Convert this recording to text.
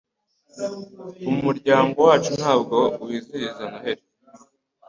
Umuryango wacu ntabwo wizihiza Noheri